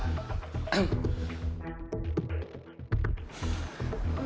terima kasih om